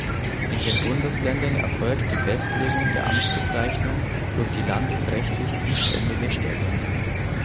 In den Bundesländern erfolgt die Festlegung der Amtsbezeichnung durch die landesrechtlich zuständige Stelle.